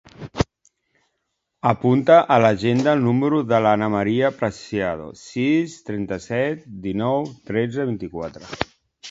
Apunta a l'agenda el número de l'Ana maria Preciado: sis, trenta-set, dinou, tretze, vint-i-quatre.